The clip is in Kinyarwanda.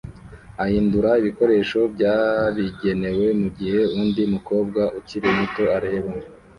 ahindura ibikoresho byabigenewe mugihe undi mukobwa ukiri muto areba